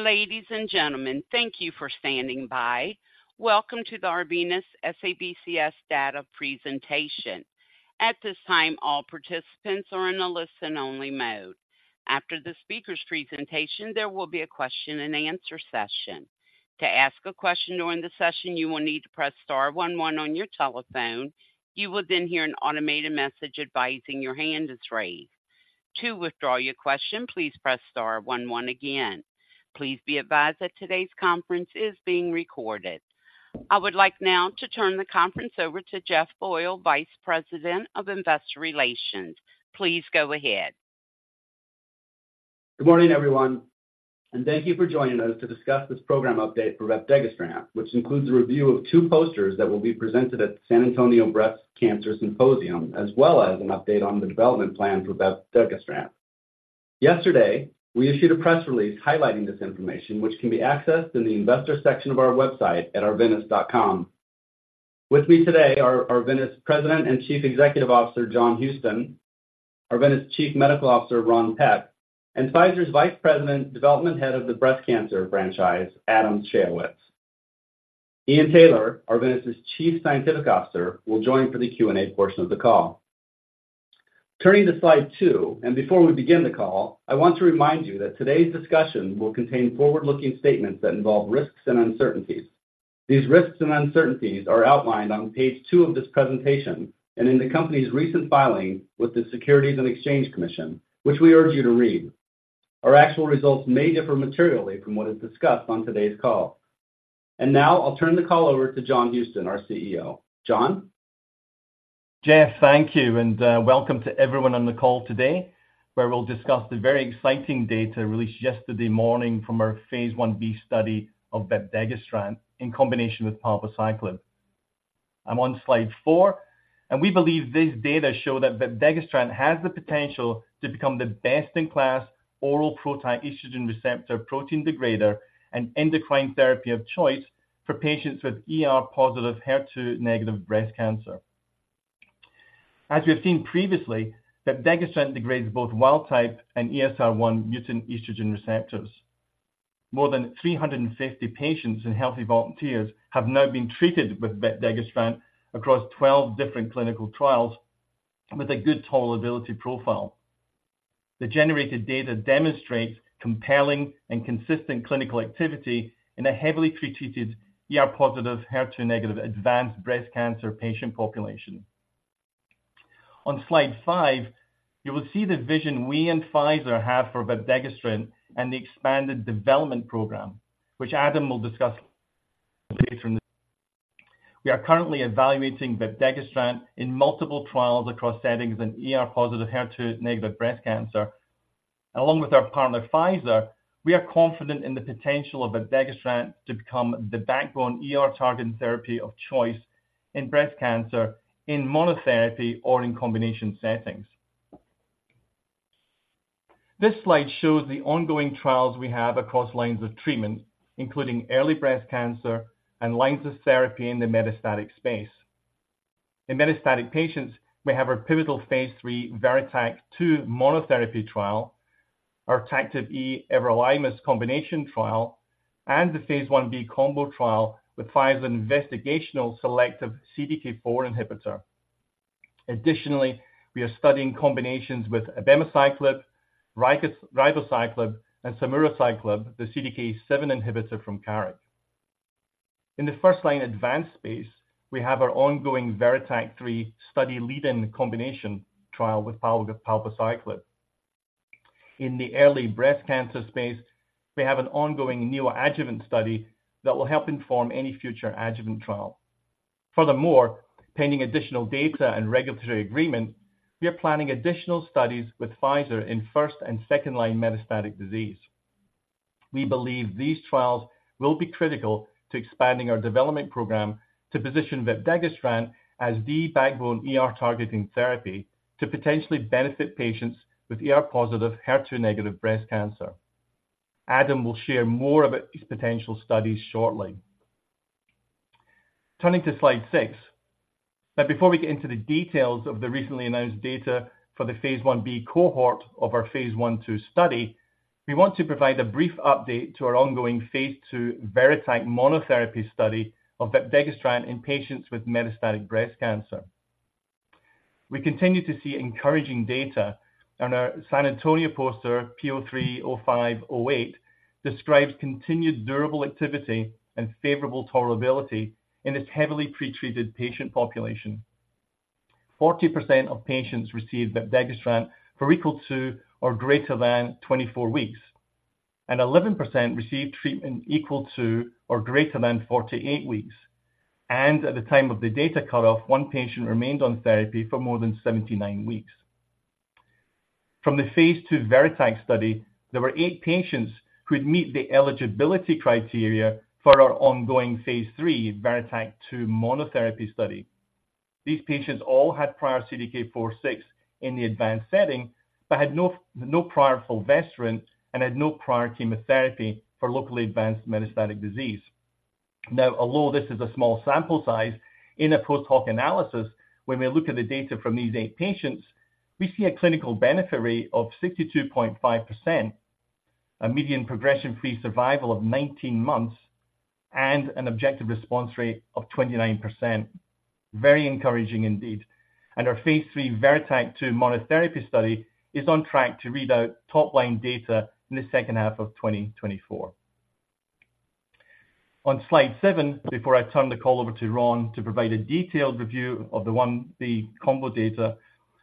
Ladies and gentlemen, thank you for standing by. Welcome to the Arvinas SABCS Data presentation. At this time, all participants are in a listen-only mode. After the speaker's presentation, there will be a question-and-answer session. To ask a question during the session, you will need to press star one one on your telephone. You will then hear an automated message advising your hand is raised. To withdraw your question, please press star one one again. Please be advised that today's conference is being recorded. I would like now to turn the conference over to Jeff Boyle, Vice President of Investor Relations. Please go ahead. Good morning, everyone, and thank you for joining us to discuss this program update for vepdegestrant, which includes a review of two posters that will be presented at San Antonio Breast Cancer Symposium, as well as an update on the development plan for vepdegestrant. Yesterday, we issued a press release highlighting this information, which can be accessed in the investor section of our website at arvinas.com. With me today are Arvinas President and Chief Executive Officer John Houston, Arvinas Chief Medical Officer Ron Peck, and Pfizer's Vice President, Development Head of the Breast Cancer Franchise, Adam Schayowitz. Ian Taylor, Arvinas's Chief Scientific Officer, will join for the Q&A portion of the call. Turning to slide 2, and before we begin the call, I want to remind you that today's discussion will contain forward-looking statements that involve risks and uncertainties. These risks and uncertainties are outlined on page 2 of this presentation and in the company's recent filing with the Securities and Exchange Commission, which we urge you to read. Our actual results may differ materially from what is discussed on today's call. And now I'll turn the call over to John Houston, our CEO. John? Jeff, thank you, and welcome to everyone on the call today, where we'll discuss the very exciting data released yesterday morning from our phase I-B study of vepdegestrant in combination with palbociclib. I'm on slide four, and we believe this data show that vepdegestrant has the potential to become the best-in-class oral PROTAC estrogen receptor protein degrader, and endocrine therapy of choice for patients with ER+/HER2- breast cancer. As we have seen previously, vepdegestrant degrades both wild type and ESR1 mutant estrogen receptors. More than 350 patients and healthy volunteers have now been treated with vepdegestrant across 12 different clinical trials with a good tolerability profile. The generated data demonstrates compelling and consistent clinical activity in a heavily pretreated ER+/HER2- advanced breast cancer patient population. On slide five, you will see the vision we and Pfizer have for vepdegestrant and the expanded development program, which Adam will discuss later in the... We are currently evaluating vepdegestrant in multiple trials across settings in ER+/HER2- breast cancer. Along with our partner, Pfizer, we are confident in the potential of vepdegestrant to become the backbone ER-targeting therapy of choice in breast cancer, in monotherapy or in combination settings. This slide shows the ongoing trials we have across lines of treatment, including early breast cancer and lines of therapy in the metastatic space. In metastatic patients, we have our pivotal phase III VERITAC-2 monotherapy trial, our TACTIVE-E everolimus combination trial, and the phase I-B combo trial with Pfizer's investigational selective CDK4 inhibitor. Additionally, we are studying combinations with abemaciclib, ribociclib, and samuraciclib, the CDK7 inhibitor from Carrick. In the first-line advanced space, we have our ongoing VERITAC-3 study lead-in combination trial with palbociclib. In the early breast cancer space, we have an ongoing neoadjuvant study that will help inform any future adjuvant trial. Furthermore, pending additional data and regulatory agreement, we are planning additional studies with Pfizer in first- and second-line metastatic disease. We believe these trials will be critical to expanding our development program to position vepdegestrant as the backbone ER targeting therapy to potentially benefit patients with ER+/HER2- breast cancer. Adam will share more about these potential studies shortly. Turning to slide 6. But before we get into the details of the recently announced data for the phase I-B cohort of our phase I/II study, we want to provide a brief update to our ongoing phase II VERITAC monotherapy study of vepdegestrant in patients with metastatic breast cancer. We continue to see encouraging data on our San Antonio poster, PO30508, which describes continued durable activity and favorable tolerability in this heavily pretreated patient population. 40% of patients received vepdegestrant for equal to or greater than 24 weeks, and 11% received treatment equal to or greater than 48 weeks. At the time of the data cut-off, one patient remained on therapy for more than 79 weeks. From the phase II VERITAC study, there were eight patients who would meet the eligibility criteria for our ongoing phase III VERITAC-2 monotherapy study. These patients all had prior CDK4/6 in the advanced setting, but had no prior fulvestrant and had no prior chemotherapy for locally advanced metastatic disease. Now, although this is a small sample size, in a post-hoc analysis, when we look at the data from these 8 patients, we see a clinical benefit rate of 62.5%, a median progression-free survival of 19 months, and an objective response rate of 29%. Very encouraging indeed. Our phase III VERITAC-2 monotherapy study is on track to read out top-line data in the second half of 2024. On slide 7, before I turn the call over to Ron to provide a detailed review of the I-B combo data,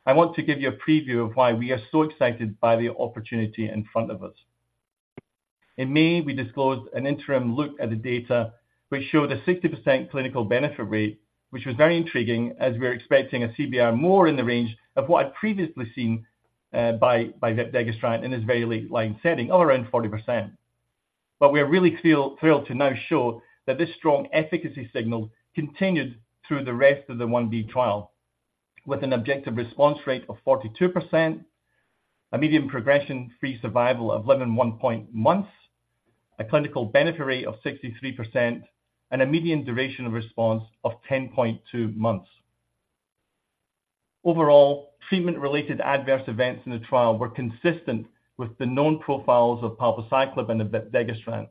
I want to give you a preview of why we are so excited by the opportunity in front of us. In May, we disclosed an interim look at the data, which showed a 60% clinical benefit rate, which was very intriguing as we were expecting a CBR more in the range of what I'd previously seen by vepdegestrant in this very late-line setting of around 40%. But we are really thrilled to now show that this strong efficacy signal continued through the rest of the 1B trial with an objective response rate of 42%, a median progression-free survival of 11.1 months, a clinical benefit rate of 63%, and a median duration of response of 10.2 months. Overall, treatment-related adverse events in the trial were consistent with the known profiles of palbociclib and vepdegestrant.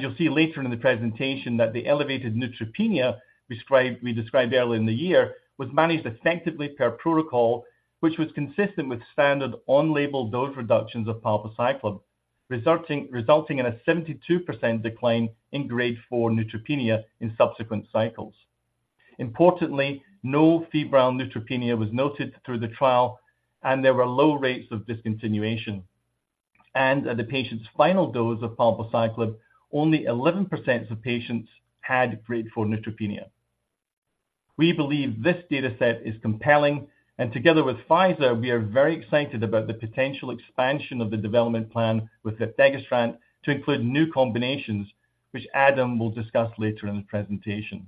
You'll see later in the presentation that the elevated neutropenia described, we described earlier in the year, was managed effectively per protocol, which was consistent with standard on-label dose reductions of palbociclib, resulting in a 72% decline in grade four neutropenia in subsequent cycles. Importantly, no febrile neutropenia was noted through the trial, and there were low rates of discontinuation. At the patient's final dose of palbociclib, only 11% of patients had grade four neutropenia. We believe this data set is compelling, and together with Pfizer, we are very excited about the potential expansion of the development plan with vepdegestrant to include new combinations, which Adam will discuss later in the presentation.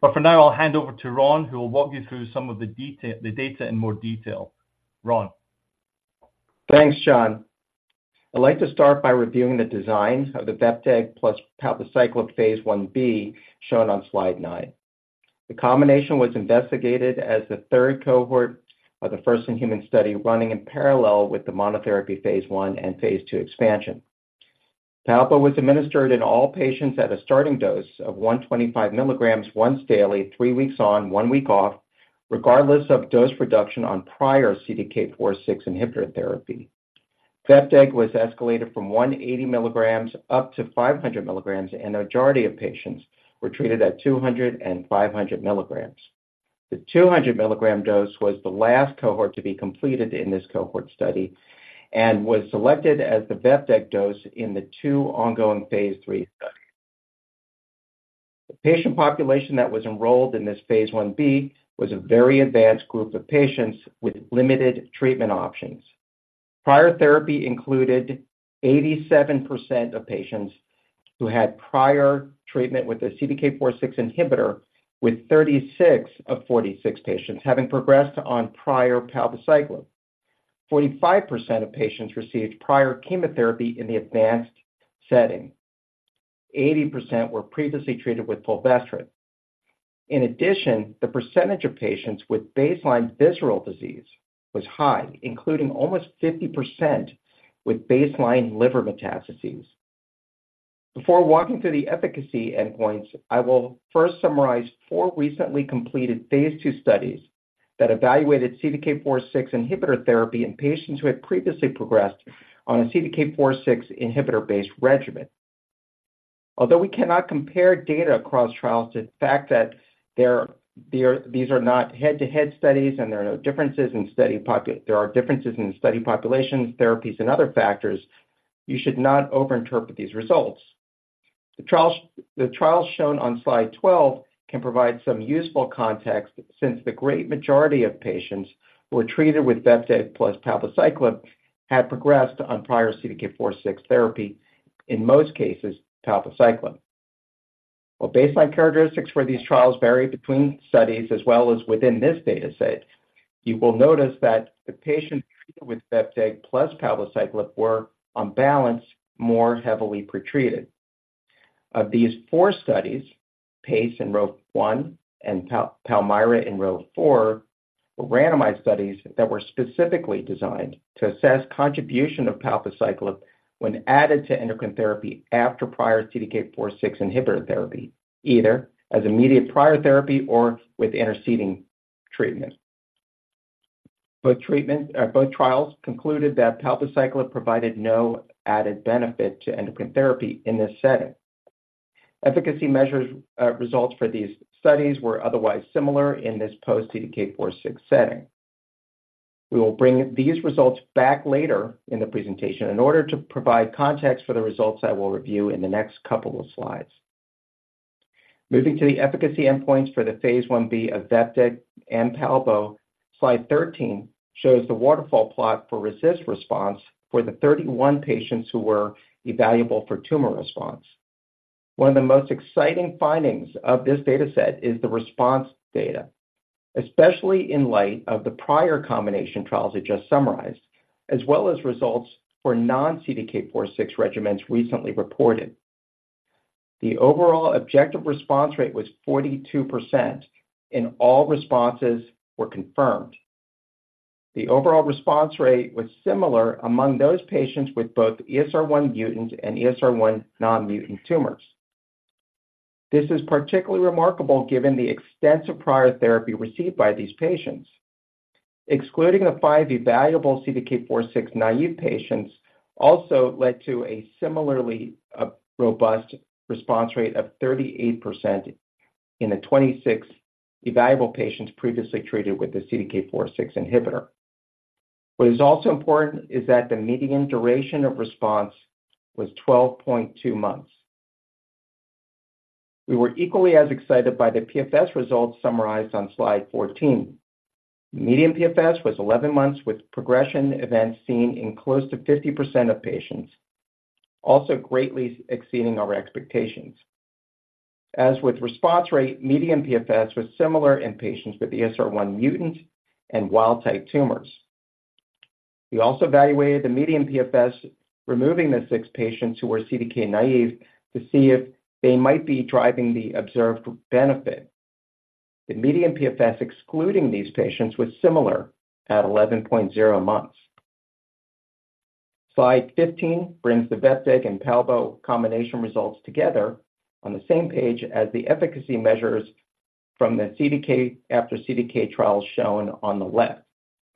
But for now, I'll hand over to Ron, who will walk you through some of the detail, the data in more detail. Ron? Thanks, John. I'd like to start by reviewing the design of the vepdeg plus palbociclib phase I-B, shown on slide 9. The combination was investigated as the third cohort of the first-in-human study, running in parallel with the monotherapy phase I and phase II expansion. Palbo was administered in all patients at a starting dose of 125 mg once daily, three weeks on, one week off, regardless of dose reduction on prior CDK4/6 inhibitor therapy. Vepdeg was escalated from 180 mg up to 500 mg, and a majority of patients were treated at 200 mg and 500 mg. The 200 mg dose was the last cohort to be completed in this cohort study and was selected as the vepdeg dose in the two ongoing phase III studies. The patient population that was enrolled in this phase I-B was a very advanced group of patients with limited treatment options. Prior therapy included 87% of patients who had prior treatment with a CDK4/6 inhibitor, with 36 of 46 patients having progressed on prior palbociclib. 45% of patients received prior chemotherapy in the advanced setting. 80% were previously treated with fulvestrant. In addition, the percentage of patients with baseline visceral disease was high, including almost 50% with baseline liver metastases. Before walking through the efficacy endpoints, I will first summarize four recently completed phase II studies that evaluated CDK4/6 inhibitor therapy in patients who had previously progressed on a CDK4/6 inhibitor-based regimen. Although we cannot compare data across trials due to the fact that these are not head-to-head studies and there are differences in study populations, therapies, and other factors, you should not overinterpret these results. The trials shown on slide 12 can provide some useful context, since the great majority of patients who were treated with vepdeg plus palbociclib had progressed on prior CDK4/6 therapy, in most cases, palbociclib. Well, baseline characteristics for these trials vary between studies as well as within this data set. You will notice that the patients treated with vepdeg plus palbociclib were, on balance, more heavily pretreated. Of these four studies, PACE and row one and PALMIRA and row four, were randomized studies that were specifically designed to assess contribution of palbociclib when added to endocrine therapy after prior CDK4/6 inhibitor therapy, either as immediate prior therapy or with interceding treatment. Both trials concluded that palbociclib provided no added benefit to endocrine therapy in this setting. Efficacy measures results for these studies were otherwise similar in this post-CDK4/6 setting. We will bring these results back later in the presentation in order to provide context for the results I will review in the next couple of slides. Moving to the efficacy endpoints for the phase I-B of vepdeg and palbo, slide 13 shows the waterfall plot for RECIST response for the 31 patients who were evaluable for tumor response. One of the most exciting findings of this data set is the response data.... especially in light of the prior combination trials I just summarized, as well as results for non-CDK4/6 regimens recently reported. The overall objective response rate was 42%, and all responses were confirmed. The overall response rate was similar among those patients with both ESR1 mutant and ESR1 non-mutant tumors. This is particularly remarkable given the extensive prior therapy received by these patients. Excluding the 5 evaluable CDK4/6 naive patients also led to a similarly robust response rate of 38% in the 26 evaluable patients previously treated with the CDK4/6 inhibitor. What is also important is that the median duration of response was 12.2 months. We were equally as excited by the PFS results summarized on slide 14. Median PFS was 11 months, with progression events seen in close to 50% of patients, also greatly exceeding our expectations. As with response rate, median PFS was similar in patients with ESR1 mutant and wild-type tumors. We also evaluated the median PFS, removing the 6 patients who were CDK naive, to see if they might be driving the observed benefit. The median PFS, excluding these patients, was similar at 11.0 months. Slide 15 brings the vepdegestrant and palbociclib combination results together on the same page as the efficacy measures from the CDK after CDK trial shown on the left.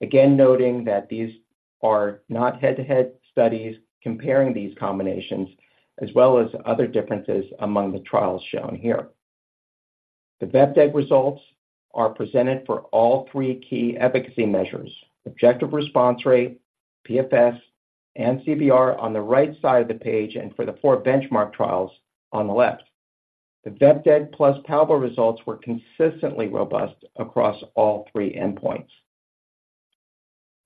Again, noting that these are not head-to-head studies comparing these combinations, as well as other differences among the trials shown here. The vepdegestrant results are presented for all three key efficacy measures: objective response rate, PFS, and CBR on the right side of the page, and for the four benchmark trials on the left. The vepdegestrant plus palbociclib results were consistently robust across all three endpoints.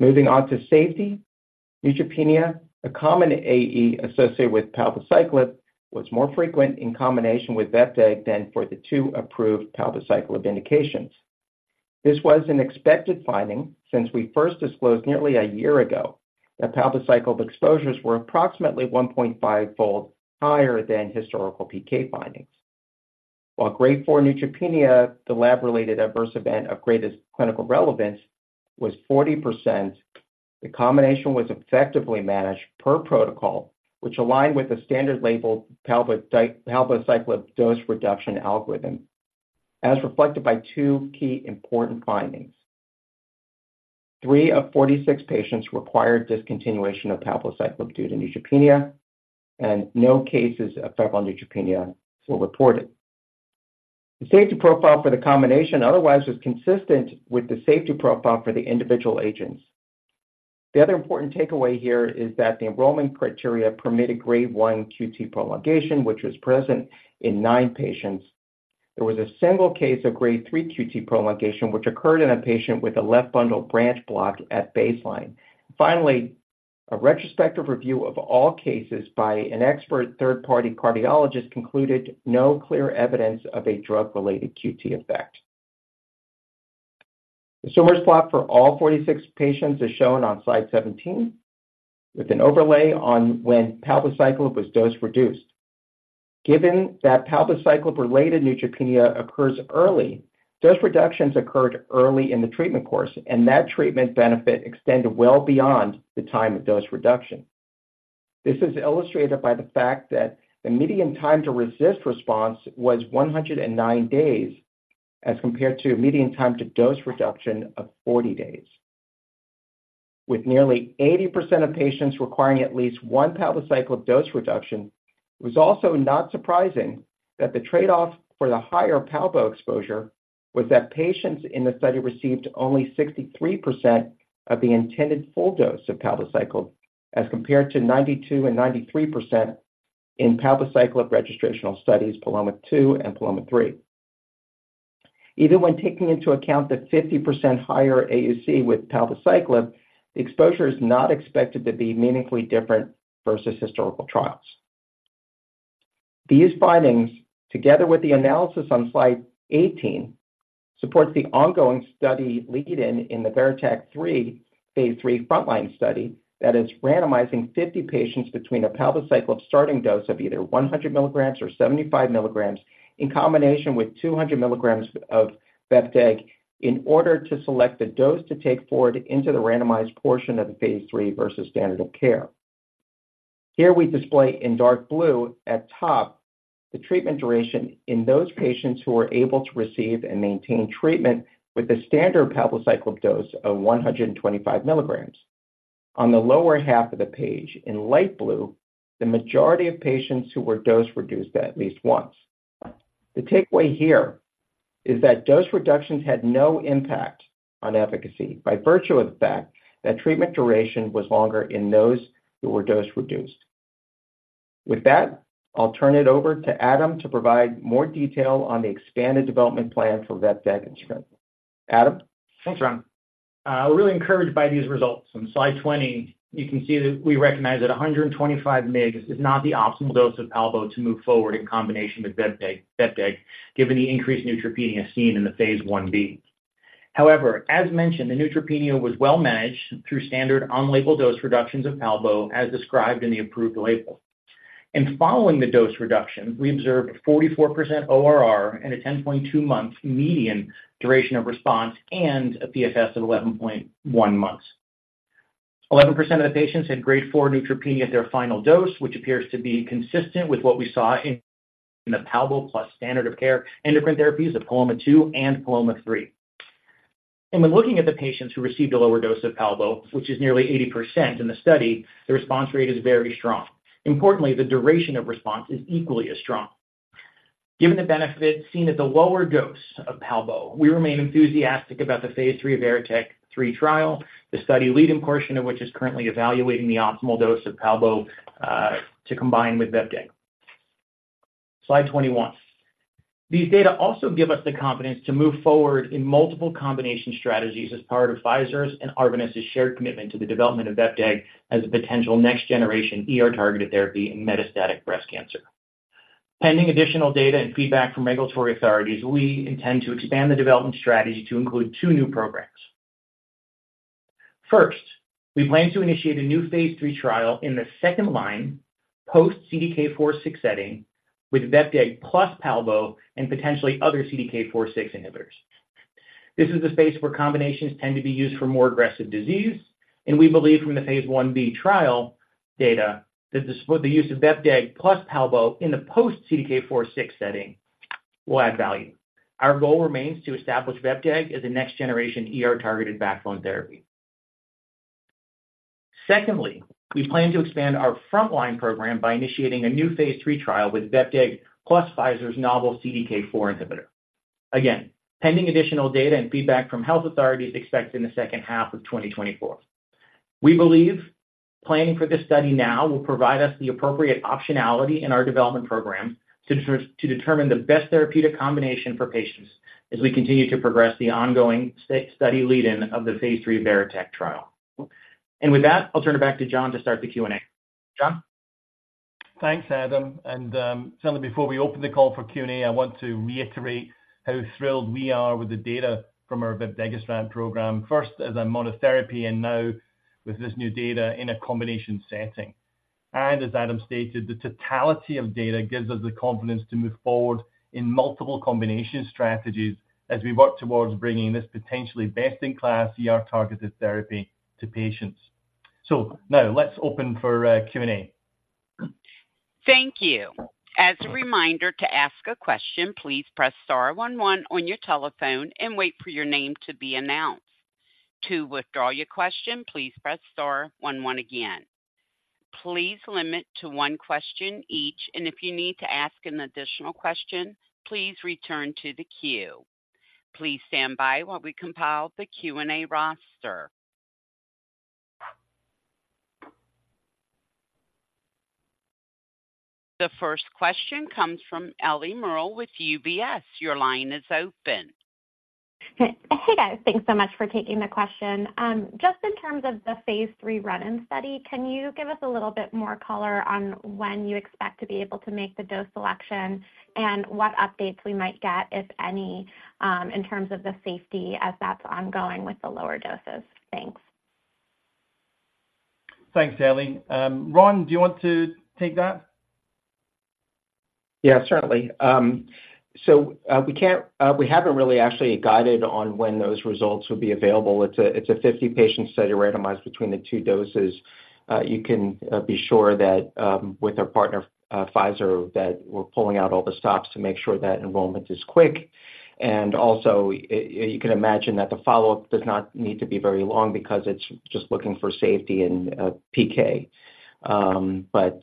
Moving on to safety, neutropenia, a common AE associated with palbociclib, was more frequent in combination with vepdegestrant than for the two approved palbociclib indications. This was an expected finding since we first disclosed nearly a year ago that palbociclib exposures were approximately 1.5-fold higher than historical PK findings. While grade four neutropenia, the lab-related adverse event of greatest clinical relevance, was 40%, the combination was effectively managed per protocol, which aligned with the standard labeled palbociclib dose reduction algorithm, as reflected by two key important findings. 3 of 46 patients required discontinuation of palbociclib due to neutropenia, and no cases of febrile neutropenia were reported. The safety profile for the combination, otherwise, was consistent with the safety profile for the individual agents. The other important takeaway here is that the enrollment criteria permitted grade 1 QT prolongation, which was present in 9 patients. There was a single case of grade 3 QT prolongation, which occurred in a patient with a left bundle branch block at baseline. Finally, a retrospective review of all cases by an expert third-party cardiologist concluded no clear evidence of a drug-related QT effect. The swimmer’s plot for all 46 patients is shown on slide 17, with an overlay on when palbociclib was dose-reduced. Given that palbociclib-related neutropenia occurs early, dose reductions occurred early in the treatment course, and that treatment benefit extended well beyond the time of dose reduction. This is illustrated by the fact that the median time to resist response was 109 days, as compared to a median time to dose reduction of 40 days. With nearly 80% of patients requiring at least one palbociclib dose reduction, it was also not surprising that the trade-off for the higher palbo exposure was that patients in the study received only 63% of the intended full dose of palbociclib, as compared to 92% and 93% in palbociclib registrational studies, PALOMA-2 and PALOMA-3. Even when taking into account the 50% higher AUC with palbociclib, the exposure is not expected to be meaningfully different versus historical trials. These findings, together with the analysis on slide 18, supports the ongoing study lead in, in the VERITAC-3, phase III frontline study, that is randomizing 50 patients between a palbociclib starting dose of either 100 mg or 75 mg, in combination with 200 mg of vepdegestrant, in order to select the dose to take forward into the randomized portion of the phase III versus standard of care. Here we display in dark blue at top, the treatment duration in those patients who were able to receive and maintain treatment with the standard palbociclib dose of 125 mg. On the lower half of the page, in light blue, the majority of patients who were dose-reduced at least once. The takeaway here is that dose reductions had no impact on efficacy by virtue of the fact that treatment duration was longer in those who were dose-reduced. With that, I'll turn it over to Adam to provide more detail on the expanded development plan for palbociclib. Adam? Thanks, Ron. We're really encouraged by these results. On Slide 20, you can see that we recognize that 125 mg is not the optimal dose of palbo to move forward in combination with vepdegestrant, given the increased neutropenia seen in the phase I-B. However, as mentioned, the neutropenia was well managed through standard on-label dose reductions of palbo, as described in the approved label. Following the dose reduction, we observed 44% ORR and a 10.2-month median duration of response and a PFS of 11.1 months. 11% of the patients had grade 4 neutropenia at their final dose, which appears to be consistent with what we saw in the palbo plus standard of care endocrine therapies of PALOMA-2 and PALOMA-3. When looking at the patients who received a lower dose of palbo, which is nearly 80% in the study, the response rate is very strong. Importantly, the duration of response is equally as strong. Given the benefit seen at the lower dose of palbo, we remain enthusiastic about the phase III VERITAC-3 trial, the study lead-in portion of which is currently evaluating the optimal dose of palbo to combine with vepdeg. Slide 21. These data also give us the confidence to move forward in multiple combination strategies as part of Pfizer's and Arvinas' shared commitment to the development of vepdeg as a potential next-generation ER-targeted therapy in metastatic breast cancer. Pending additional data and feedback from regulatory authorities, we intend to expand the development strategy to include two new programs. First, we plan to initiate a new phase III trial in the second-line post-CDK4/6 setting with vepdeg plus palbo and potentially other CDK4/6 inhibitors. This is a space where combinations tend to be used for more aggressive disease, and we believe from the phase I-B trial data, that the use of vepdeg plus palbo in the post-CDK4/6 setting will add value. Our goal remains to establish vepdeg as a next-generation ER-targeted backbone therapy. Secondly, we plan to expand our frontline program by initiating a new phase III trial with vepdeg plus Pfizer's novel CDK4 inhibitor. Again, pending additional data and feedback from health authorities, expected in the second half of 2024. We believe planning for this study now will provide us the appropriate optionality in our development program to determine the best therapeutic combination for patients as we continue to progress the ongoing study lead-in of the phase III VERITAC trial. With that, I'll turn it back to John to start the Q&A. John? Thanks, Adam, and just before we open the call for Q&A, I want to reiterate how thrilled we are with the data from our vepdegestrant program, first as a monotherapy and now with this new data in a combination setting. As Adam stated, the totality of data gives us the confidence to move forward in multiple combination strategies as we work towards bringing this potentially best-in-class ER-targeted therapy to patients. Now let's open for Q&A. Thank you. As a reminder to ask a question, please press star one one on your telephone and wait for your name to be announced. To withdraw your question, please press star one one again. Please limit to one question each, and if you need to ask an additional question, please return to the queue. Please stand by while we compile the Q&A roster. The first question comes from Ellie Merle with UBS. Your line is open. Hey, guys. Thanks so much for taking the question. Just in terms of the phase III run-in study, can you give us a little bit more color on when you expect to be able to make the dose selection and what updates we might get, if any, in terms of the safety as that's ongoing with the lower doses? Thanks. Thanks, Ellie. Ron, do you want to take that? Yeah, certainly. So, we can't—we haven't really actually guided on when those results will be available. It's a, it's a 50-patient study randomized between the two doses. You can be sure that, with our partner, Pfizer, that we're pulling out all the stops to make sure that enrollment is quick. And also, you can imagine that the follow-up does not need to be very long because it's just looking for safety and PK. But...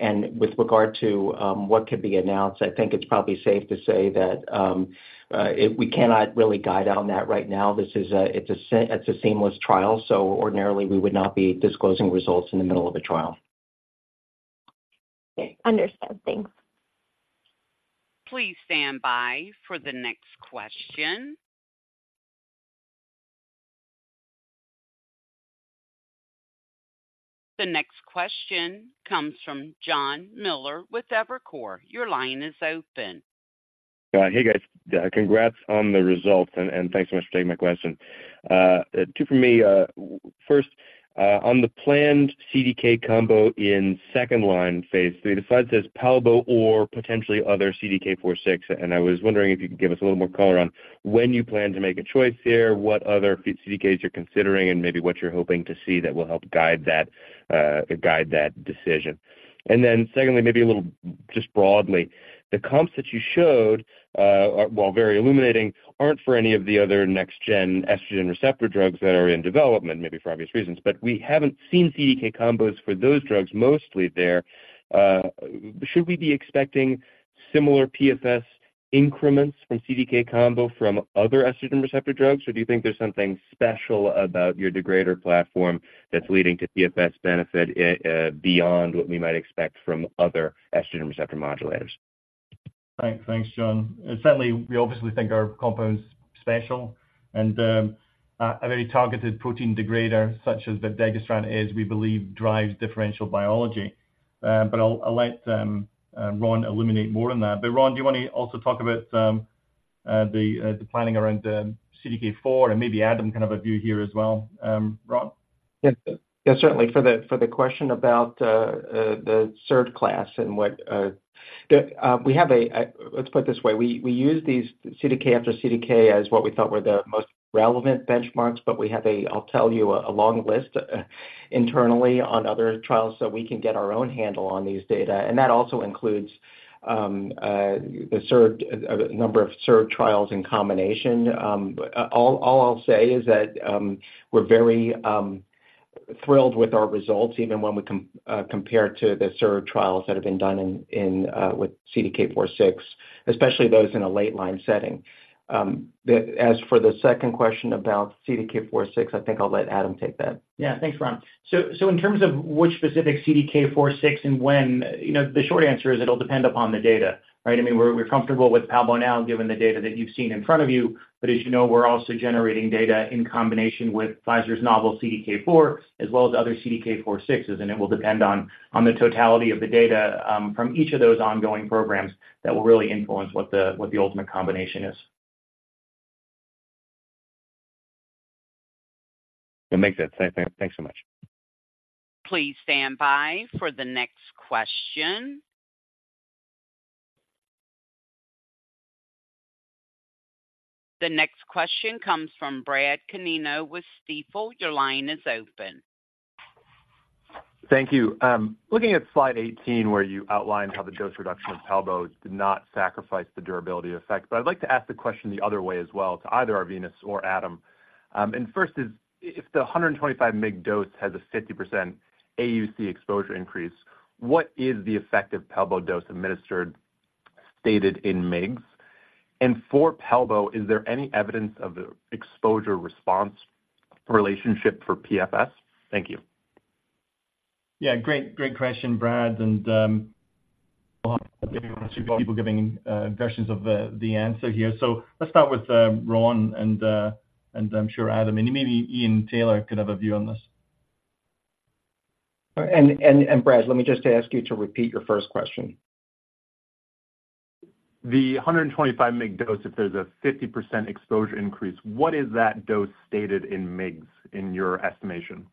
And with regard to, what could be announced, I think it's probably safe to say that, we cannot really guide on that right now. This is a, it's a seamless trial, so ordinarily we would not be disclosing results in the middle of a trial. Okay. Understood. Thanks. Please stand by for the next question. The next question comes from Jon Miller with Evercore. Your line is open. Hey, guys, congrats on the results, and thanks so much for taking my question. Two for me. First, on the planned CDK combo in second-line phase III, the slide says palbo or potentially other CDK4/6, and I was wondering if you could give us a little more color on when you plan to make a choice there, what other CDKs you're considering, and maybe what you're hoping to see that will help guide that decision. And then secondly, maybe a little just broadly, the comps that you showed, while very illuminating, aren't for any of the other next-gen estrogen receptor drugs that are in development, maybe for obvious reasons, but we haven't seen CDK combos for those drugs mostly there. Should we be expecting similar PFS increments from CDK combo from other estrogen receptor drugs, or do you think there's something special about your degrader platform that's leading to PFS benefit beyond what we might expect from other estrogen receptor modulators? ... Thanks. Thanks, John. Certainly, we obviously think our compound's special, and a very targeted protein degrader, such as the vepdegestrant is, we believe, drives differential biology. But I'll let Ron illuminate more on that. But Ron, do you want to also talk about the planning around CDK4, and maybe Adam, kind of a view here as well? Ron? Yes. Yeah, certainly. For the question about the SERD class and what... We have a, let's put it this way. We use these CDK4/6 after CDK4/6 as what we thought were the most relevant benchmarks, but we have a, I'll tell you, a long list internally on other trials, so we can get our own handle on these data. And that also includes the SERD, a number of SERD trials in combination. All I'll say is that we're very thrilled with our results, even when we compare to the SERD trials that have been done in with CDK4/6, especially those in a late line setting. As for the second question about CDK4/6, I think I'll let Adam take that. Yeah. Thanks, Ron. So in terms of which specific CDK4/6 and when, you know, the short answer is it'll depend upon the data, right? I mean, we're comfortable with palbo now, given the data that you've seen in front of you, but as you know, we're also generating data in combination with Pfizer's novel CDK4, as well as other CDK4/6s, and it will depend on the totality of the data from each of those ongoing programs that will really influence what the ultimate combination is. It makes sense. Thanks so much. Please stand by for the next question. The next question comes from Brad Canino with Stifel. Your line is open. Thank you. Looking at slide 18, where you outlined how the dose reduction of palbos did not sacrifice the durability effect, but I'd like to ask the question the other way as well, to either Arvinas or Adam. And first is, if the 125 mg dose has a 50% AUC exposure increase, what is the effective palbo dose administered, stated in mg? And for palbo, is there any evidence of the exposure-response relationship for PFS? Thank you. Yeah, great, great question, Brad. And, well, people giving versions of the answer here. So let's start with Ron, and I'm sure, Adam, and maybe Ian Taylor could have a view on this. Brad, let me just ask you to repeat your first question. The 125 mg dose, if there's a 50% exposure increase, what is that dose stated in mg, in your estimation?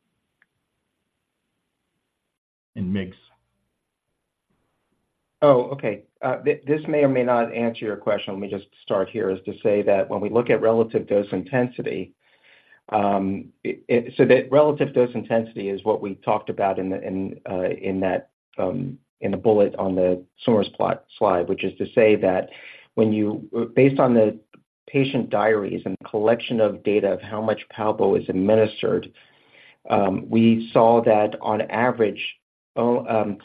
In mgs. Oh, okay. This may or may not answer your question. Let me just start here, is to say that when we look at relative dose intensity, so the relative dose intensity is what we talked about in the bullet on the SABCS plot slide, which is to say that when you, based on the patient diaries and collection of data of how much palbo is administered, we saw that on average, 63%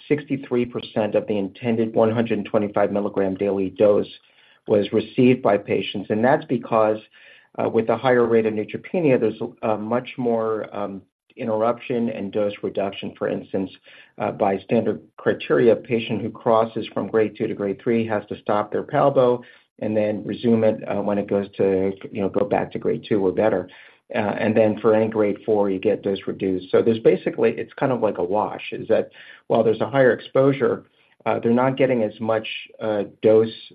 of the intended 125 mg daily dose was received by patients. That's because with a higher rate of neutropenia, there's a much more interruption and dose reduction, for instance, by standard criteria, a patient who crosses from grade 2 to grade 3 has to stop their palbo and then resume it when it goes to, you know, go back to grade 2 or better. And then for any grade 4, you get those reduced. So there's basically, it's kind of like a wash, is that while there's a higher exposure, they're not getting as much dose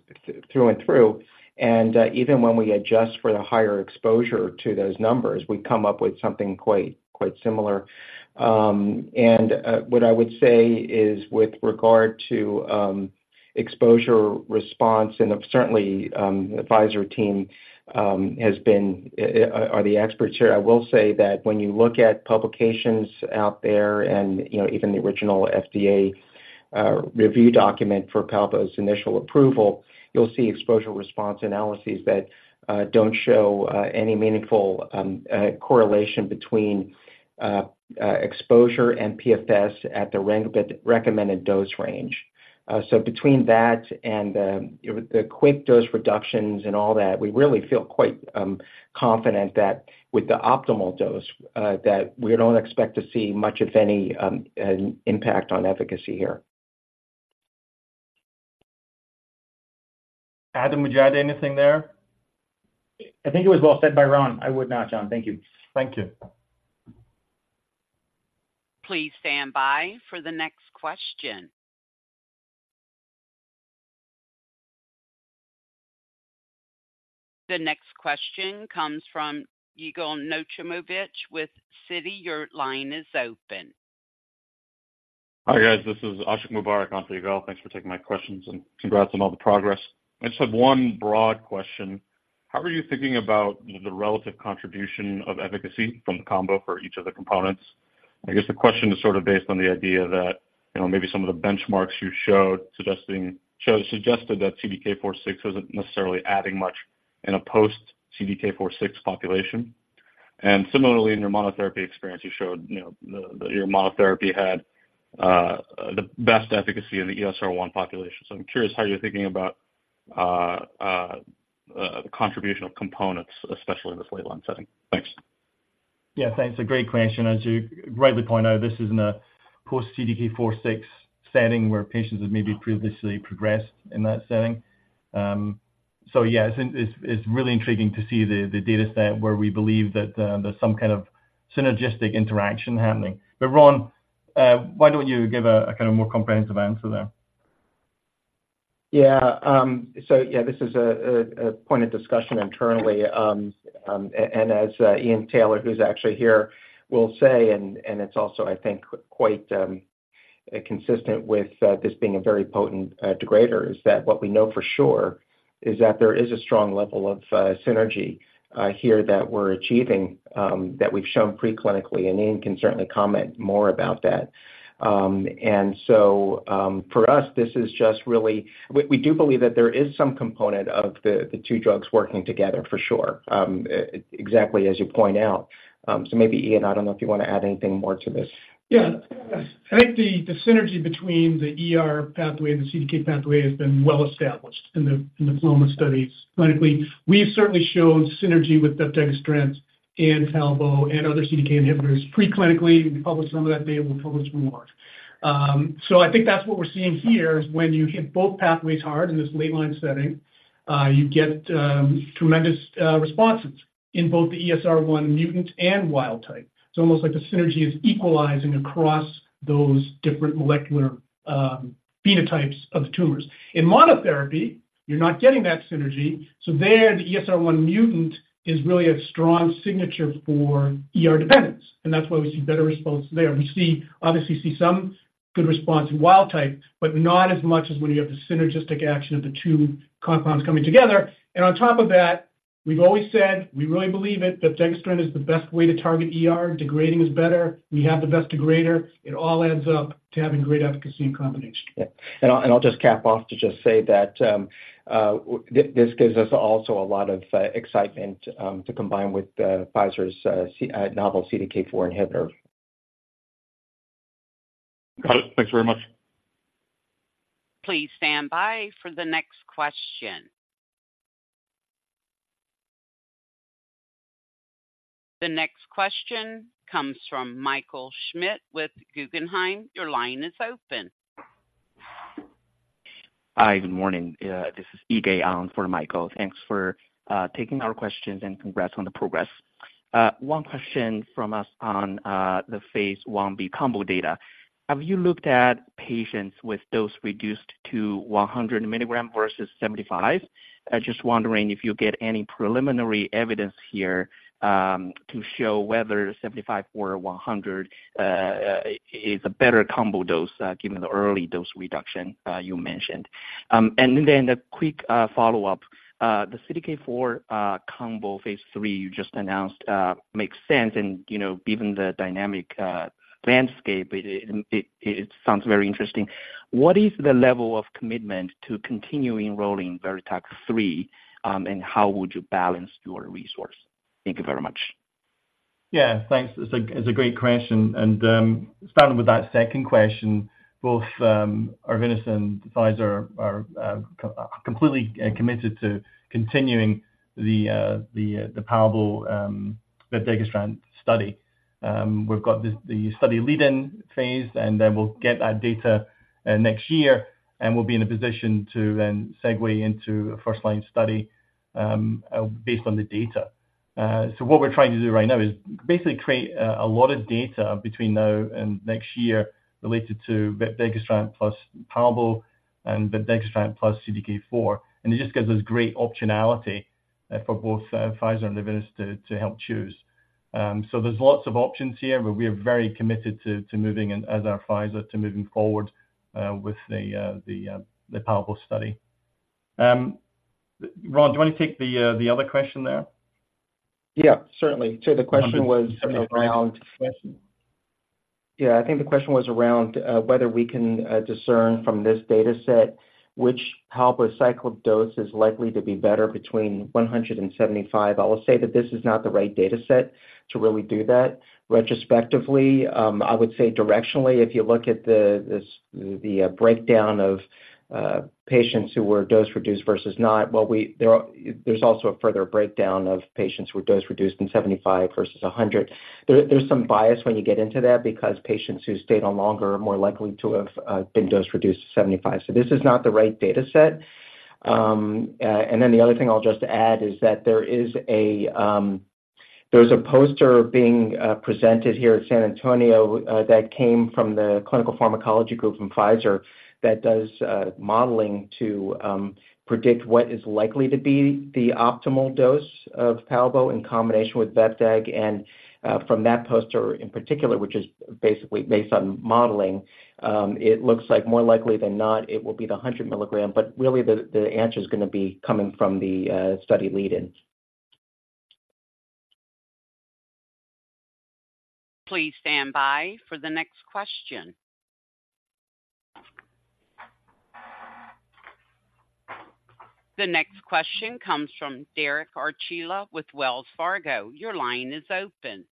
through and through. And even when we adjust for the higher exposure to those numbers, we come up with something quite, quite similar. And what I would say is with regard to exposure response, and of certainly, the Pfizer team has been, are the experts here. I will say that when you look at publications out there and, you know, even the original FDA review document for palbo's initial approval, you'll see exposure response analyses that don't show any meaningful correlation between exposure and PFS at the recommended dose range. So between that and, you know, the quick dose reductions and all that, we really feel quite confident that with the optimal dose that we don't expect to see much of any impact on efficacy here. Adam, would you add anything there? I think it was well said by Ron. I would not, John. Thank you. Thank you. Please stand by for the next question. The next question comes from Yigal Nochomovitz with Citi. Your line is open. Hi, guys. This is Ashiq Mubarack, not Yigal. Thanks for taking my questions, and congrats on all the progress. I just have one broad question: How are you thinking about the relative contribution of efficacy from the combo for each of the components? I guess the question is sort of based on the idea that, you know, maybe some of the benchmarks you showed suggested that CDK4/6 isn't necessarily adding much in a post-CDK4/6 population. And similarly, in your monotherapy experience, you showed, you know, that your monotherapy had the best efficacy in the ESR1 population. So I'm curious how you're thinking about the contribution of components, especially in this late line setting. Thanks. ... Yeah, thanks. A great question. As you rightly point out, this is in a post CDK4/6 setting where patients have maybe previously progressed in that setting. So yeah, it's really intriguing to see the data set where we believe that there's some kind of synergistic interaction happening. But Ron, why don't you give a kind of more comprehensive answer there? Yeah. So yeah, this is a point of discussion internally. And as Ian Taylor, who's actually here, will say, and it's also, I think, quite consistent with this being a very potent degrader, is that what we know for sure is that there is a strong level of synergy here that we're achieving, that we've shown pre-clinically, and Ian can certainly comment more about that. And so, for us, this is just really, we do believe that there is some component of the two drugs working together, for sure, exactly as you point out. So maybe, Ian, I don't know if you wanna add anything more to this. Yeah. I think the synergy between the ER pathway and the CDK pathway has been well established in the PALOMA studies. Clinically, we've certainly shown synergy with vepdegestrant and palbo, and other CDK inhibitors. Pre-clinically, we published some of that data, and we'll publish more. So I think that's what we're seeing here, is when you hit both pathways hard in this late line setting, you get tremendous responses in both the ESR1 mutant and wild-type. It's almost like the synergy is equalizing across those different molecular phenotypes of the tumors. In monotherapy, you're not getting that synergy, so there, the ESR1 mutant is really a strong signature for ER dependence, and that's why we see better response there. We see, obviously, some good response in wild-type, but not as much as when you have the synergistic action of the two compounds coming together. And on top of that, we've always said, we really believe it, vepdegestrant is the best way to target ER. Degrading is better. We have the best degrader. It all adds up to having great efficacy and combination. Yeah, and I'll just cap off to just say that this gives us also a lot of excitement to combine with Pfizer's novel CDK4 inhibitor. Got it. Thanks very much. Please stand by for the next question. The next question comes from Michael Schmidt with Guggenheim. Your line is open. Hi, good morning. This is Yigal on for Michael. Thanks for taking our questions, and congrats on the progress. One question from us on the phase I-B combo data. Have you looked at patients with dose reduced to 100 mg versus 75? I just wondering if you get any preliminary evidence here to show whether 75 or 100 is a better combo dose given the early dose reduction you mentioned. And then a quick follow-up. The CDK4/6 combo phase III you just announced makes sense, and you know, given the dynamic landscape, it sounds very interesting. What is the level of commitment to continuing rolling VERITAC-3, and how would you balance your resource? Thank you very much. Yeah, thanks. It's a great question, and starting with that second question, both Arvinas and Pfizer are completely committed to continuing the palbo vepdegestrant study. We've got the study lead-in phase, and then we'll get that data next year, and we'll be in a position to then segue into a first-line study based on the data. So what we're trying to do right now is basically create a lot of data between now and next year related to vepdegestrant plus palbo and vepdegestrant plus CDK4, and it just gives us great optionality for both Pfizer and Arvinas to help choose. So there's lots of options here, but we are very committed to moving and as are Pfizer, to moving forward with the palbo study. Ron, do you want to take the other question there? Yeah, certainly. So the question was around... Question. Yeah, I think the question was around whether we can discern from this data set which palbociclib dose is likely to be better between 100 and 175. I will say that this is not the right data set to really do that. Retrospectively, I would say directionally, if you look at the breakdown of patients who were dose reduced versus not, well, there's also a further breakdown of patients who were dose reduced in 75 versus 100. There's some bias when you get into that because patients who stayed on longer are more likely to have been dose reduced to 75. So this is not the right data set. And then the other thing I'll just add is that there's a poster being presented here at San Antonio that came from the clinical pharmacology group from Pfizer that does modeling to predict what is likely to be the optimal dose of palbo in combination with bebtel, and from that poster in particular, which is basically based on modeling, it looks like more likely than not, it will be the 100 mg, but really the, the answer is gonna be coming from the study lead-in. Please stand by for the next question. The next question comes from Derek Archila with Wells Fargo. Your line is open.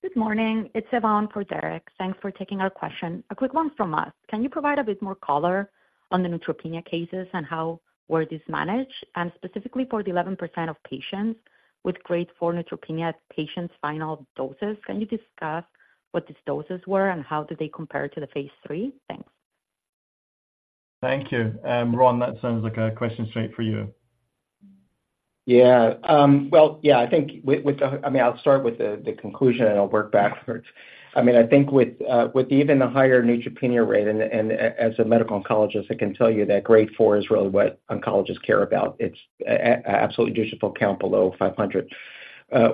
Good morning. It's Yvonne for Derek. Thanks for taking our question. A quick one from us. Can you provide a bit more color on the neutropenia cases and how were these managed? And specifically for the 11% of patients with grade 4 neutropenia patients' final doses, can you discuss what these doses were and how do they compare to the phase III? Thanks. Thank you. Ron, that sounds like a question straight for you. Yeah. Well, yeah, I think with the, I mean, I'll start with the conclusion, and I'll work backwards. I mean, I think with even the higher neutropenia rate, and as a medical oncologist, I can tell you that grade 4 is really what oncologists care about. It's an absolute neutrophil count below 500.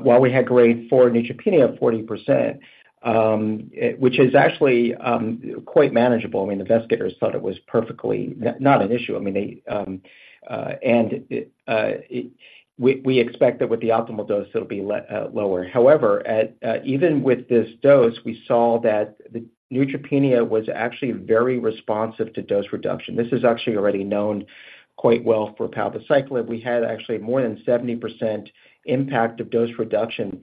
While we had grade 4 neutropenia of 40%, which is actually quite manageable. I mean, investigators thought it was perfectly not an issue. And we expect that with the optimal dose, it'll be lower. However, even with this dose, we saw that the neutropenia was actually very responsive to dose reduction. This is actually already known quite well for palbociclib. We had actually more than 70% impact of dose reduction,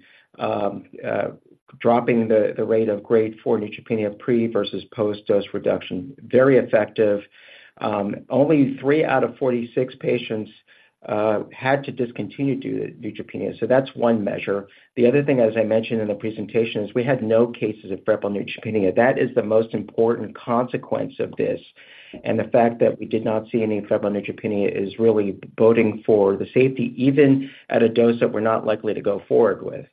dropping the rate of grade 4 neutropenia pre versus post-dose reduction. Very effective. Only 3 out of 46 patients had to discontinue due to neutropenia, so that's one measure. The other thing, as I mentioned in the presentation, is we had no cases of febrile neutropenia. That is the most important consequence of this, and the fact that we did not see any febrile neutropenia is really boding for the safety, even at a dose that we're not likely to go forward with.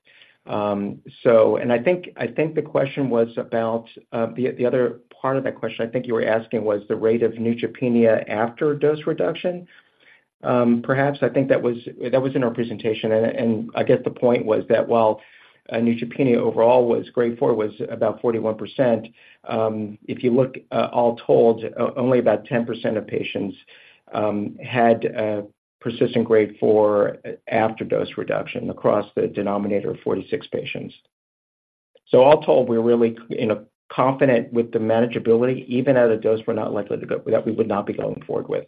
So and I think the question was about the other part of that question, I think you were asking, was the rate of neutropenia after dose reduction? Perhaps I think that was, that was in our presentation, and, and I guess the point was that while a neutropenia overall was grade 4, was about 41%, if you look, all told, only about 10% of patients had a persistent grade 4 after dose reduction across the denominator of 46 patients. So all told, we're really, you know, confident with the manageability, even at a dose we're not likely to go—that we would not be going forward with.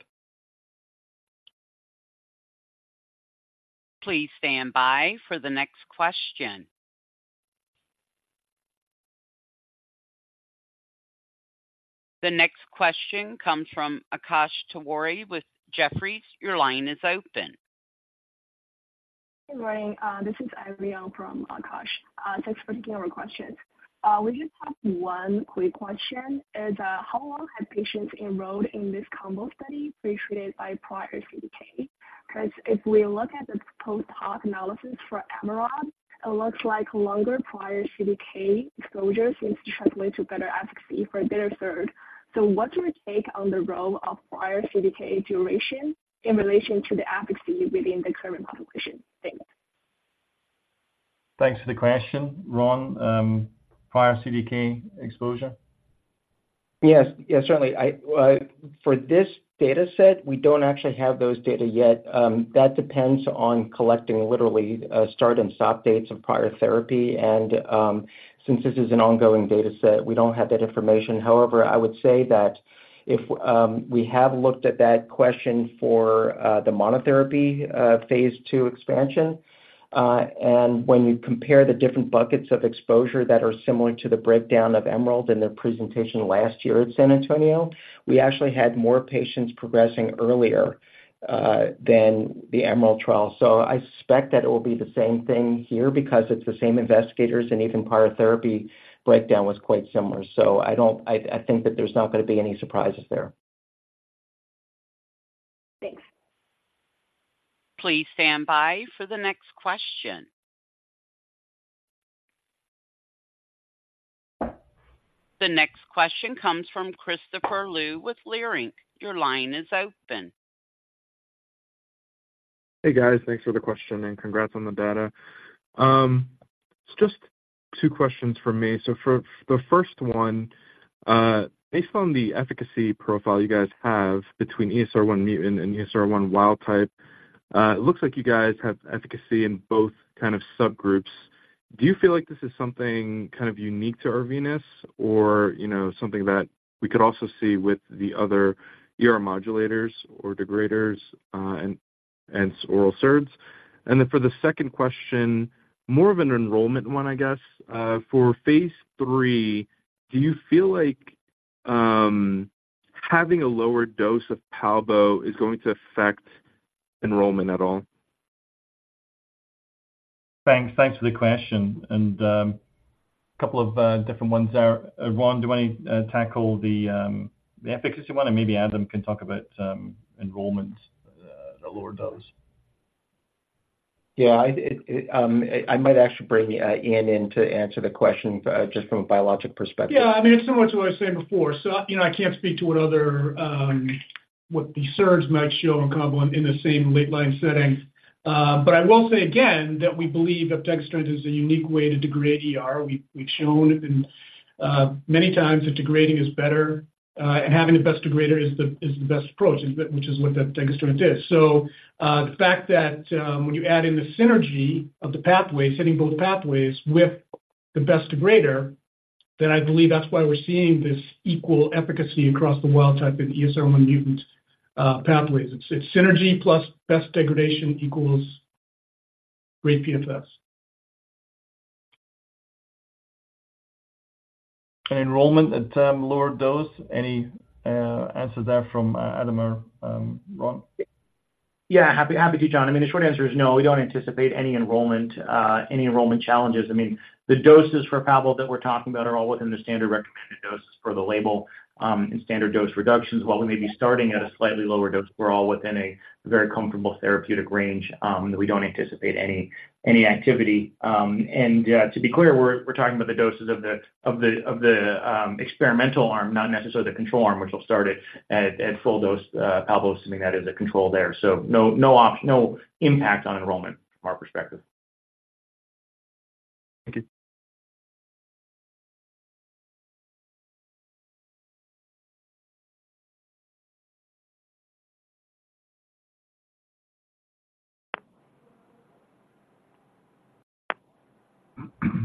Please stand by for the next question. The next question comes from Akash Tewari with Jefferies. Your line is open. Good morning. This is Irene from Akash. Thanks for taking our questions. We just have one quick question, is how long have patients enrolled in this combo study pre-treated by prior CDK? 'Cause if we look at the post-hoc analysis for EMERALD, it looks like longer prior CDK exposure seems to translate to better efficacy for the SERD. So what's your take on the role of prior CDK duration in relation to the efficacy within the current population? Thanks. Thanks for the question. Ron, prior CDK exposure? Yes. Yeah, certainly. I, for this data set, we don't actually have those data yet. That depends on collecting literally start and stop dates of prior therapy, and since this is an ongoing data set, we don't have that information. However, I would say that if we have looked at that question for the monotherapy phase II expansion, and when you compare the different buckets of exposure that are similar to the breakdown of Emerald in their presentation last year at San Antonio, we actually had more patients progressing earlier than the Emerald trial. So I suspect that it will be the same thing here because it's the same investigators, and even prior therapy breakdown was quite similar. So I don't... I, I think that there's not gonna be any surprises there. Thanks. Please stand by for the next question. The next question comes from Christopher Liu with Leerink. Your line is open. Hey, guys. Thanks for the question, and congrats on the data. Just two questions from me. So for the first one, based on the efficacy profile you guys have between ESR1 mutant and ESR1 wild type, it looks like you guys have efficacy in both kind of subgroups. Do you feel like this is something kind of unique to Arvinas or, you know, something that we could also see with the other ER modulators or degraders, and oral SERDs? And then for the second question, more of an enrollment one, I guess, for phase III, do you feel like having a lower dose of palbo is going to affect enrollment at all? Thanks. Thanks for the question, and couple of different ones there. Ron, do you want to tackle the efficacy one, and maybe Adam can talk about enrollment, the lower dose? Yeah, I might actually bring Ian in to answer the question, just from a biologic perspective. Yeah, I mean, it's similar to what I was saying before. So, you know, I can't speak to what other, what the SERDs might show in combo in the same late-line setting. But I will say again, that we believe vepdegestrant is a unique way to degrade ER. We've shown it many times that degrading is better, and having the best degrader is the best approach, which is what vepdegestrant is. So, the fact that, when you add in the synergy of the pathway, hitting both pathways with the best degrader-... then I believe that's why we're seeing this equal efficacy across the wild type in ESR1 mutant pathways. It's, it's synergy plus best degradation equals great PFS. Enrollment at lower dose. Any answer there from Adam or Ron? Yeah, happy to, John. I mean, the short answer is no. We don't anticipate any enrollment challenges. I mean, the doses for palbociclib that we're talking about are all within the standard recommended doses for the label, and standard dose reductions. While we may be starting at a slightly lower dose, we're all within a very comfortable therapeutic range that we don't anticipate any activity. And to be clear, we're talking about the doses of the experimental arm, not necessarily the control arm, which will start at full dose palbociclib, assuming that is a control there. So no impact on enrollment from our perspective. Thank you.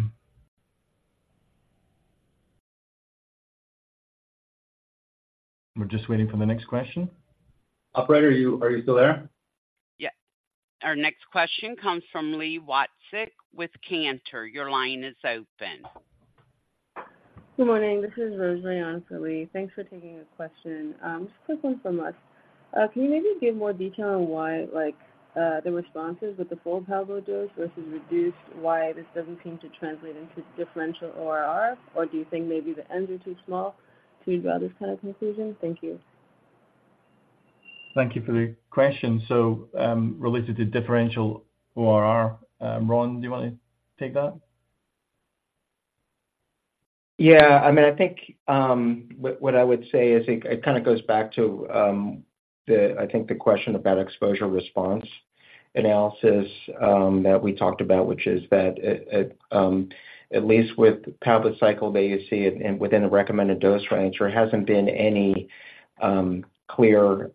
We're just waiting for the next question. Operator, are you still there? Yeah. Our next question comes from Li Watsek with Cantor. Your line is open. Good morning. This is Rosemary on for Li. Thanks for taking the question. Just a quick one from us. Can you maybe give more detail on why, like, the responses with the full palbo dose versus reduced, why this doesn't seem to translate into differential ORR? Or do you think maybe the ends are too small to draw this kind of conclusion? Thank you. Thank you for the question. So, related to differential ORR, Ron, do you want to take that? Yeah, I mean, I think what I would say is it kind of goes back to the question about exposure response analysis that we talked about, which is that at least with palbociclib, you see it and within the recommended dose range, there hasn't been any clear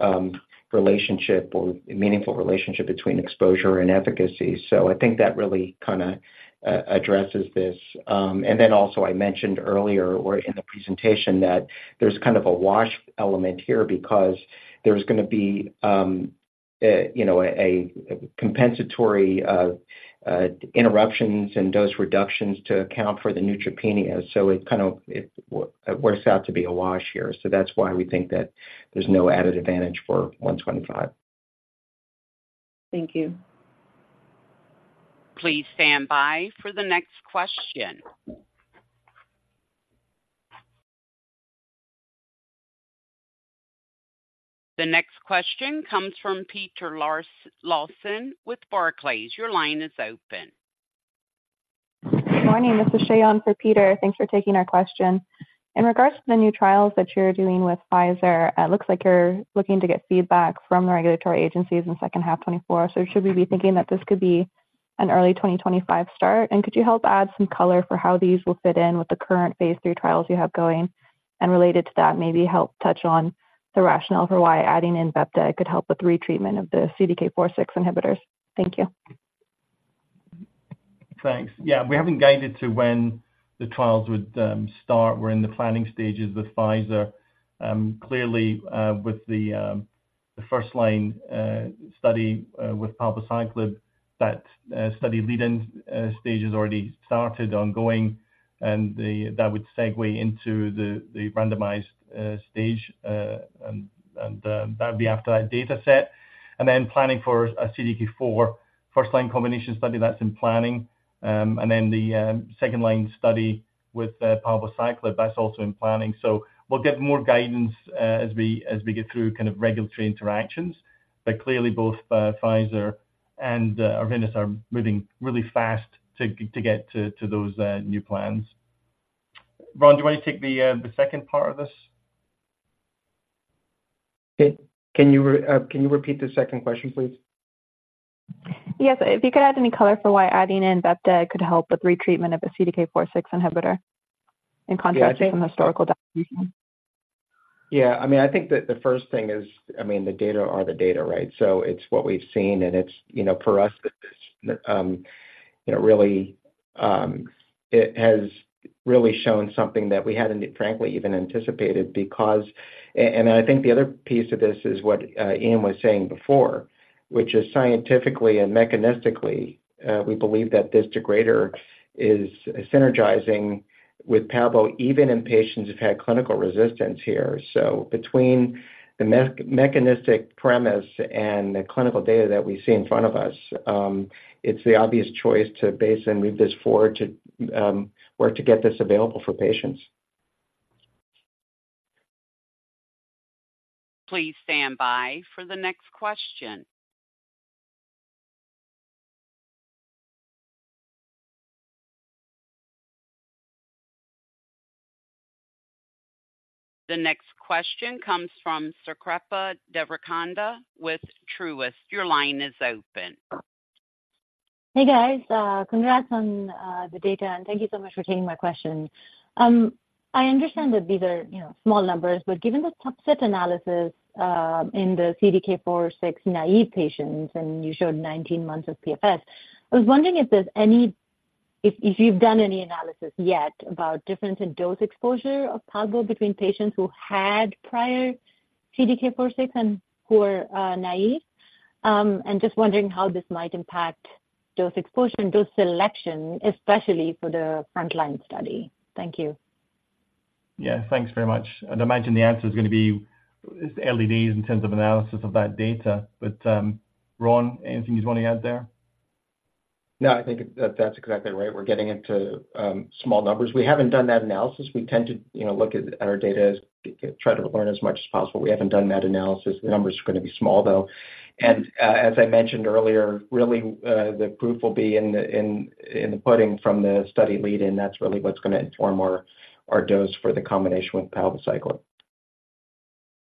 relationship or meaningful relationship between exposure and efficacy. So I think that really kinda addresses this. And then also I mentioned earlier or in the presentation, that there's kind of a wash element here because there's gonna be a you know a compensatory interruptions and dose reductions to account for the neutropenia. So it kind of it works out to be a wash here. So that's why we think that there's no added advantage for 125. Thank you. Please stand by for the next question. The next question comes from Peter Lawson with Barclays. Your line is open. Good morning. This is Shayon for Peter. Thanks for taking our question. In regards to the new trials that you're doing with Pfizer, it looks like you're looking to get feedback from the regulatory agencies in second half 2024. Should we be thinking that this could be an early 2025 start? Could you help add some color for how these will fit in with the current Phase III trials you have going? Related to that, maybe help touch on the rationale for why adding in abemaciclib could help with retreatment of the CDK4/6 inhibitors. Thank you. Thanks. Yeah, we haven't guided to when the trials would start. We're in the planning stages with Pfizer. Clearly, with the first line study with palbociclib, that study lead-in stage has already started ongoing, and that would segue into the randomized stage, and that would be after that dataset. And then planning for a CDK4 first line combination study, that's in planning. And then the second line study with palbociclib, that's also in planning. So we'll give more guidance as we get through kind of regulatory interactions. But clearly, both Pfizer and Arvinas are moving really fast to get to those new plans. Ron, do you want to take the second part of this? Okay. Can you repeat the second question, please? Yes. If you could add any color for why adding in vepdegestrant could help with retreatment of a CDK4/6 inhibitor in contrast to some historical documentation? Yeah. I mean, I think that the first thing is, I mean, the data are the data, right? So it's what we've seen, and it's, you know, for us, really, it has really shown something that we hadn't frankly even anticipated because and I think the other piece of this is what, Ian was saying before, which is scientifically and mechanistically, we believe that this degrader is synergizing with palbo, even in patients who've had clinical resistance here. So between the mechanistic premise and the clinical data that we see in front of us, it's the obvious choice to base and move this forward to, work to get this available for patients. Please stand by for the next question. The next question comes from Srikripa Devarakonda with Truist. Your line is open. Hey, guys, congrats on the data, and thank you so much for taking my question. I understand that these are, you know, small numbers, but given the subset analysis in the CDK4/6-naive patients, and you showed 19 months of PFS, I was wondering if there's any—if you've done any analysis yet about difference in dose exposure of palbo between patients who had prior CDK4/6 and who are naive. And just wondering how this might impact dose exposure and dose selection, especially for the frontline study. Thank you. Yeah, thanks very much. And I imagine the answer is gonna be early days in terms of analysis of that data. But, Ron, anything you'd want to add there? No, I think that's exactly right. We're getting into small numbers. We haven't done that analysis. We tend to, you know, look at our data, try to learn as much as possible. We haven't done that analysis. The numbers are gonna be small, though. And as I mentioned earlier, really, the proof will be in the pudding from the study lead-in, that's really what's gonna inform our dose for the combination with palbociclib.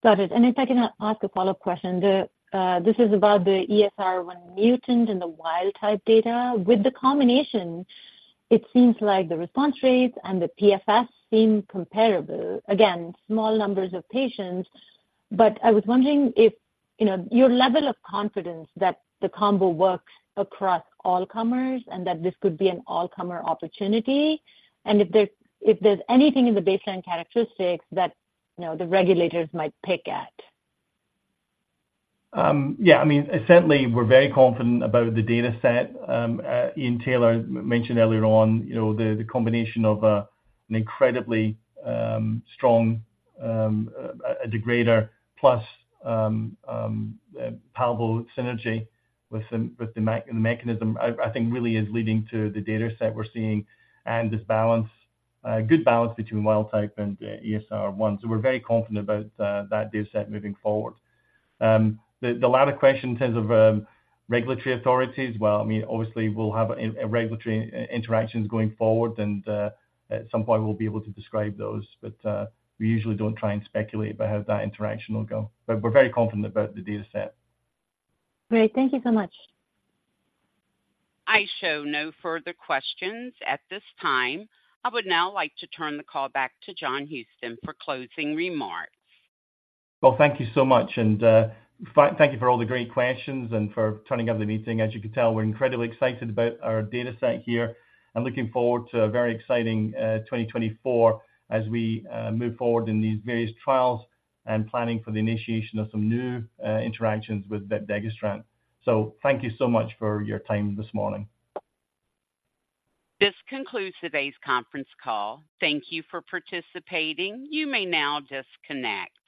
Got it. And if I can ask a follow-up question. The, this is about the ESR1 mutant and the wild-type data. With the combination, it seems like the response rates and the PFS seem comparable. Again, small numbers of patients, but I was wondering if, you know, your level of confidence that the combo works across all comers and that this could be an all-comer opportunity, and if there's, if there's anything in the baseline characteristics that, you know, the regulators might pick at. Yeah. I mean, certainly, we're very confident about the dataset. Ian Taylor mentioned earlier on, you know, the combination of an incredibly strong a degrader plus palbo synergy with the the mec- the mechanism, I think really is leading to the dataset we're seeing and this balance good balance between wild type and ESR1. So we're very confident about that dataset moving forward. The latter question in terms of regulatory authorities, well, I mean, obviously, we'll have a regulatory interactions going forward, and at some point, we'll be able to describe those, but we usually don't try and speculate about how that interaction will go. But we're very confident about the dataset. Great. Thank you so much. I show no further questions at this time. I would now like to turn the call back to John Houston for closing remarks. Well, thank you so much, and, thank, thank you for all the great questions and for turning up the meeting. As you can tell, we're incredibly excited about our dataset here and looking forward to a very exciting 2024 as we move forward in these various trials and planning for the initiation of some new interactions with vepdegestrant. So thank you so much for your time this morning. This concludes today's conference call. Thank you for participating. You may now disconnect.